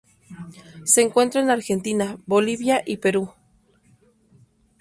Se encuentra en Argentina, Bolivia, y Perú.